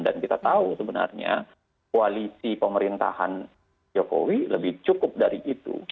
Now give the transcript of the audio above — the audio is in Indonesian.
dan kita tahu sebenarnya koalisi pemerintahan jokowi lebih cukup dari itu